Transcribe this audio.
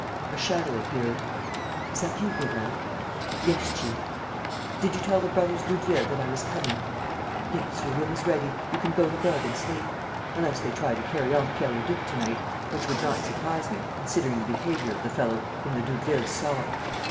A shadow appeared. "Is that you, Gourel?" "Yes, chief." "Did you tell the brothers Doudeville that I was coming?" "Yes, your room is ready, you can go to bed and sleep ... unless they try to carry off Pierre Leduc to night, which would not surprise me, considering the behavior of the fellow whom the Doudevilles saw."